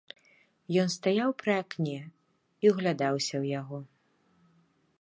Ён стаяў пры акне і ўглядаўся ў яго.